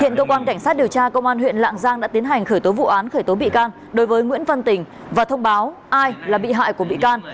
hiện cơ quan cảnh sát điều tra công an huyện lạng giang đã tiến hành khởi tố vụ án khởi tố bị can đối với nguyễn văn tình và thông báo ai là bị hại của bị can